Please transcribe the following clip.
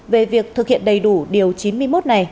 về việc thực hiện đầy đủ điều chín mươi một này